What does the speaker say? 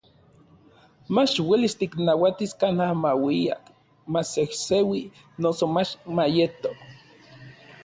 mach uelis tiknauatis kanaj mauia, masejseui noso mach mayeto.